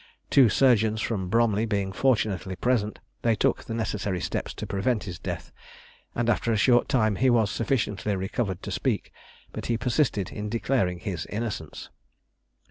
Two surgeons from Bromley being fortunately present, they took the necessary steps to prevent his death, and after a short time he was sufficiently recovered to speak; but he persisted in declaring his innocence.